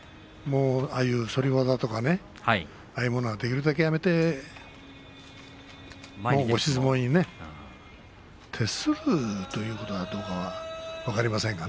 反り技とかああいう技は、できるだけやめて押し相撲に徹するということはどうか分かりませんが。